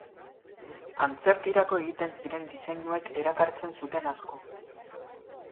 Antzerkirako egiten ziren diseinuek erakartzen zuten asko.